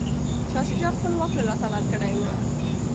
شاه شجاع خپل واک له لاسه ورکړی و.